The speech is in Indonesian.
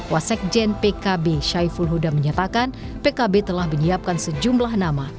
wasekjen pkb syaiful huda menyatakan pkb telah menyiapkan sejumlah nama